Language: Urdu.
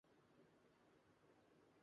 تلوار دروازے کی لکڑی میں جا لگی